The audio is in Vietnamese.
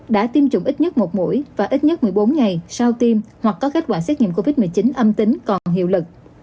đã tiêm chủng ít nhất một mũi và ít nhất một mươi bốn ngày sau tiêm hoặc có kết quả xét nghiệm covid một mươi chín âm tính còn hiệu lực